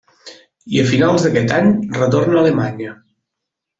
I a finals d'aquest any retorna a Alemanya.